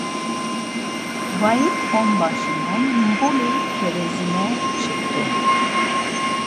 - "Vaid onbaşinun mbuli kerezine çiktum.